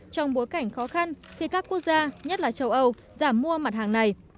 trong bối cảnh khó khăn khi các quốc gia nhất là châu âu giảm mua mặt hàng này